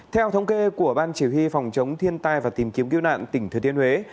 theo thống kê của ban chỉ huy phòng chống thiên tai và tìm kiếm cứu nạn tỉnh thừa thiên huế